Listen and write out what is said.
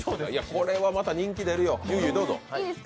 これはまた人気出るよ。